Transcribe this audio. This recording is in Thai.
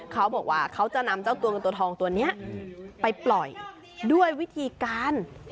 เขาบอกว่าเขาจะนำเจ้าตัวเงินตัวทองตัวนี้ไปปล่อยด้วยวิธีการ